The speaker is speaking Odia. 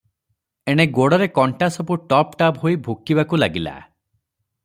ଏଣେ ଗୋଡ଼ରେ କଣ୍ଟା ସବୁ ଟପ୍ ଟାପ୍ ହୋଇ ଭୁକିବାକୁ ଲାଗିଲା ।